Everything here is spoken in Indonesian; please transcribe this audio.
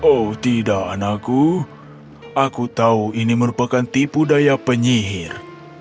oh tidak anakku aku tahu ini merupakan tipu daya penyihir